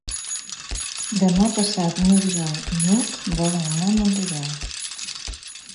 Demà passat n'Oriol i n'Hug volen anar a Mont-ral.